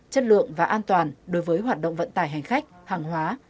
chất lượng và an toàn đối với hoạt động vận tải hành khách hàng hóa